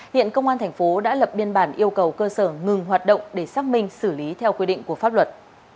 hiện công an thành phố đã lập biên bản yêu cầu cơ sở ngừng hoạt động để xác minh xử lý theo quy định của pháp luật